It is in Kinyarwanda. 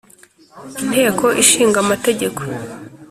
inteko ishinga amategeko